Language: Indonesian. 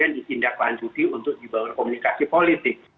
ditindaklanjuti untuk dibangun komunikasi politik